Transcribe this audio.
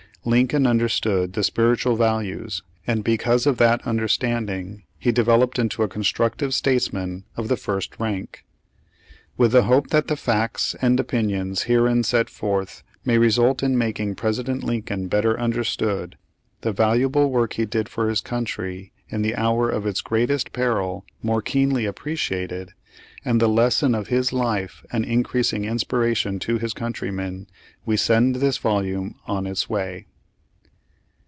Lincoln understood the spiritual values, and because of that understanding he developed into a construc tive statesman of the first rank. With the hope that the facts and opinions herein set forth may result in making President Lincoln better understood, the valuable work he did for his country in the hour of its greatest peril more keenly appreciated, and the lesson of his life an increasing inspiration to his countrymen, we send this volume on its way.